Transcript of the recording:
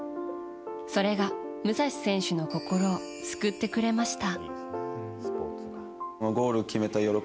それが、武蔵選手の心を救ってくれました。